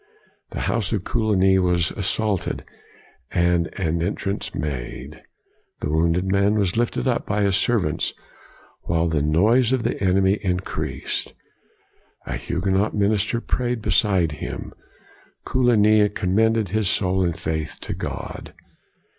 The house of Coligny was assaulted, and an entrance made. The wounded man was lifted up by his servants, while the noise of the enemy increased. A Huguenot minister prayed beside him. Coligny com mended his soul in faith to God.